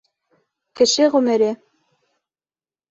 Кеше ғүмере.